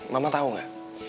mama tau gak